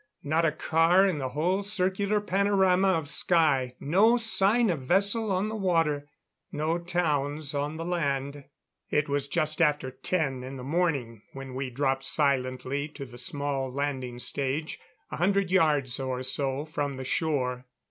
Not a car in the whole circular panorama of sky; no sign of vessel on the water; no towns on the land. It was just after ten in the morning when we dropped silently to the small landing stage a hundred yards or so from the shore.